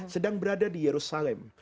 sedang berada di yerusalem